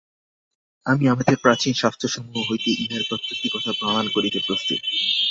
আমি আমাদের প্রাচীন শাস্ত্রসমূহ হইতে ইহার প্রত্যেকটি কথা প্রমাণ করিতে প্রস্তুত।